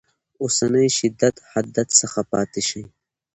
اوسني شدت حدت څخه پاتې شي.